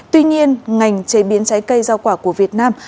tuy nhiên ngành chế biến trái cây rau quả của việt nam